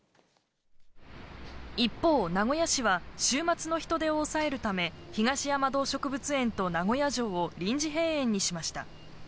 一方、名古屋市は、週末の人出を抑えるため、東山動植物園と名古屋城を臨時閉園にしました。